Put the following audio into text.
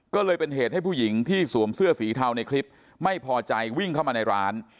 ก็เลยเป็นเหตุให้ผู้หญิงที่สวมเสื้อสีเทาในคลิปไม่พอใจวิ่งเข้ามาในร้าน